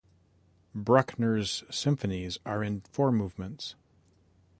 Bruckner's symphonies are in four movements.